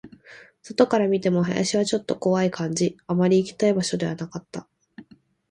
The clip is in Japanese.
外から見ても、林はちょっと怖い感じ、あまり行きたい場所ではなかった